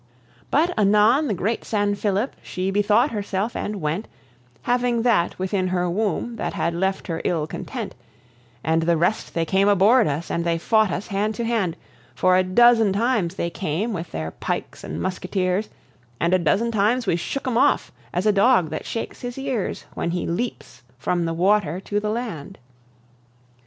But anon the great San Philip, she bethought herself and went, Having that within her womb that had left her ill content; And the rest they came aboard us, and they fought us hand to hand, For a dozen times they came with their pikes and musqueteers, And a dozen times we shook 'em off as a dog that shakes his ears When he leaps from the water to the land.